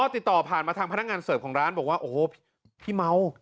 ติดต่อผ่านมาทางพนักงานเสิร์ฟของร้านบอกว่าโอ้โหพี่เมา